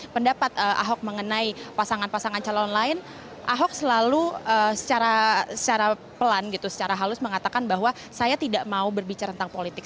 pendapat ahok mengenai pasangan pasangan calon lain ahok selalu secara pelan gitu secara halus mengatakan bahwa saya tidak mau berbicara tentang politik